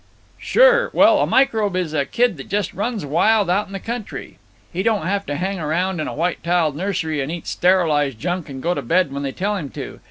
"Sure. Well, a microbe is a kid that just runs wild out in the country. He don't have to hang around in a white tiled nursery and eat sterilized junk and go to bed when they tell him to.